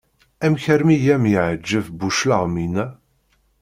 Amek armi i am-yeɛǧeb bu claɣem-ina?